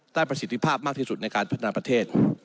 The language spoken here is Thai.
ประสิทธิภาพมากที่สุดในการพัฒนาประเทศ